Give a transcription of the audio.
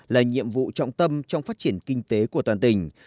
là nhiệm vụ trọng tâm trong phát triển kinh tế của toàn tỉnh